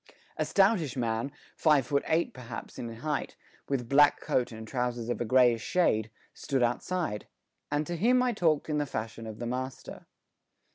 A stoutish man, five foot eight perhaps in height, with black coat and trousers of a greyish shade, stood outside, and to him I talked in the fashion of the master.